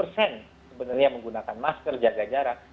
sebenarnya menggunakan masker jaga jarak